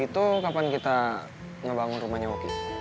itu kapan kita ngebangun rumahnya hoki